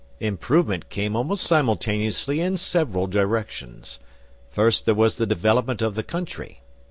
Improvement came almost simultaneously in several directions. First there was the development of the Country.